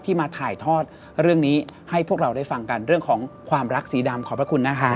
มาถ่ายทอดเรื่องนี้ให้พวกเราได้ฟังกันเรื่องของความรักสีดำขอบพระคุณนะคะ